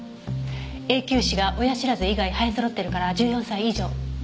永久歯が親知らず以外生え揃ってるから１４歳以上。